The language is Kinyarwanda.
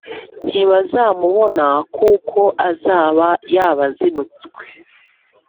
ntibazamubona kuko azaba yabazinutswe!